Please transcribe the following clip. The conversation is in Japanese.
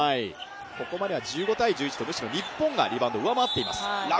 ここまでは１５−１１と、むしろ日本がリバウンド、上回っています